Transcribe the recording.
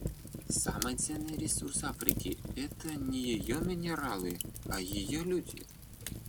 Самый ценный ресурс Африки — это не ее минералы, а ее люди.